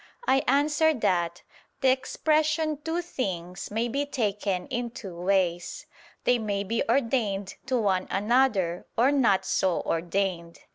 I answer that, The expression "two things" may be taken in two ways: they may be ordained to one another or not so ordained.